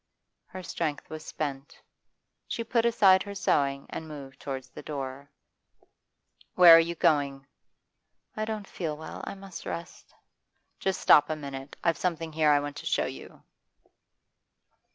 Her strength was spent. She put aside her sewing and moved towards the door. 'Where are you going?' 'I don't feel well. I must rest.' 'Just stop a minute. I've something here I want to show you.